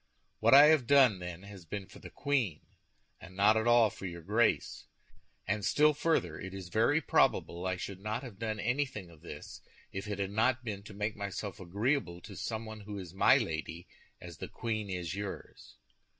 What I have done, then, has been for the queen, and not at all for your Grace. And still further, it is very probable I should not have done anything of this, if it had not been to make myself agreeable to someone who is my lady, as the queen is yours."